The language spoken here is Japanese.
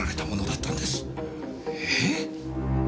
えっ？